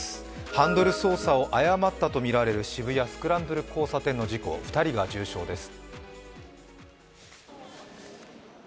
ハンドル操作を誤ったとみられる渋谷・スクランブル交差点の事故２人が重傷です。